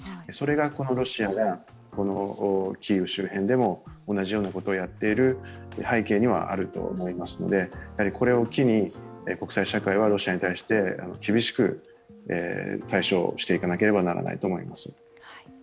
それがロシアがキーウ周辺でも同じようなことをやっている背景にはあると思いますので、これを機に、国際社会はロシアに対して、厳しく対処をしていかなければならないと思います。